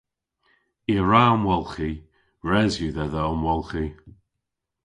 I a wra omwolghi. Res yw dhedha omwolghi.